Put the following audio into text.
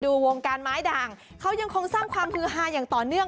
วงการไม้ด่างเขายังคงสร้างความฮือฮาอย่างต่อเนื่อง